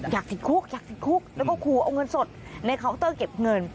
อยากติดคุกอยากติดคุกแล้วก็ขู่เอาเงินสดในเคาน์เตอร์เก็บเงิน